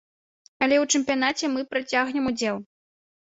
Але ў чэмпіянаце мы працягнем удзел.